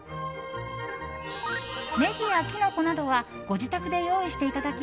ネギやキノコなどはご自宅で用意していただき